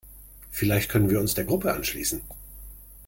Vielleicht können wir uns der Gruppe anschließen.